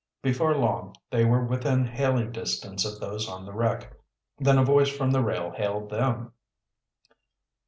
Before long they were within hailing distance of those on the wreck. Then a voice from the rail hailed them.